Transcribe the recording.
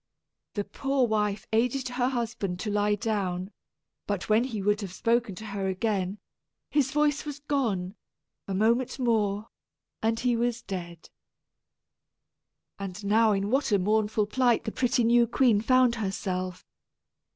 The poor wife aided her husband to lie down, but when he would have spoken to her again, his voice was gone a moment more, and he was dead. And now in what a mournful plight the pretty new queen found herself!